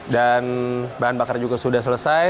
dan bahan bakar juga sudah selesai